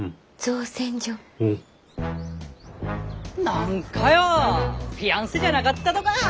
何かよぉフィアンセじゃなかったとか！